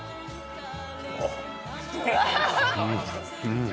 うん！